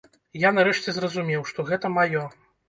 Я нарэшце зразумеў, што гэта маё.